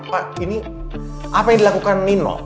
pak ini apa yang dilakukan nino